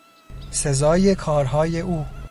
سزای کارهای او